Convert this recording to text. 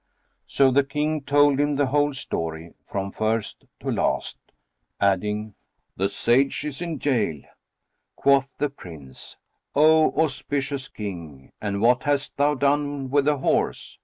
So the King told him the whole story, from first to last, adding, "The Sage is in goal." Quoth the Prince, "O auspicious King, and what hast thou done with the horse?"